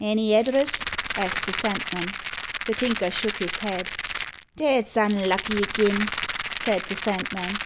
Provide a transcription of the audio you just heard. "Any address?" asked the Sandman. The Tinker shook his head. "That's unlucky agin," said the Sandman.